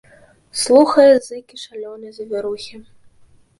Слухае зыкі шалёнай завірухі.